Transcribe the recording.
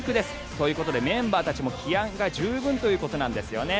ということでメンバーたちも気合が十分ということなんですよね。